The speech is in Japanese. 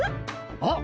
あっ！